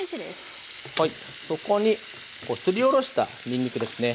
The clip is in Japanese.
そこにすりおろしたにんにくですね。